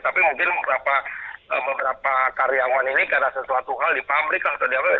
tapi mungkin beberapa karyawan ini karena sesuatu hal di pabrik atau di apa